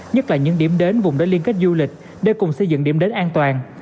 nhất là những điểm đến vùng để liên kết du lịch để cùng xây dựng điểm đến an toàn